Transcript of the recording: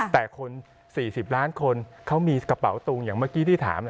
แต่คน๔๐ล้านคนเขามีกระเป๋าตุงอย่างเมื่อกี้ที่ถาม